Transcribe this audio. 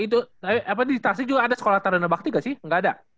oh itu tapi di tasik juga ada sekolah taruna bakti gak sih gak ada